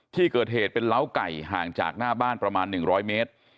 ที่เกิดเหตุเป็นล้าไก่ห่างจากหน้าบ้านประมาณ๑๐๐เมตร